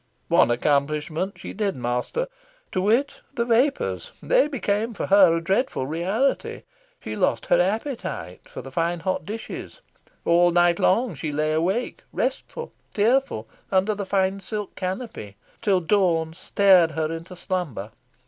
One accomplishment she did master to wit, the vapours: they became for her a dreadful reality. She lost her appetite for the fine hot dishes. All night long she lay awake, restless, tearful, under the fine silk canopy, till dawn stared her into slumber.